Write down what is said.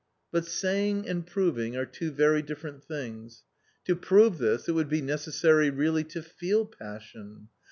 But saying; and proving are two very different things. To prove this, it would be necessary really to feel passion.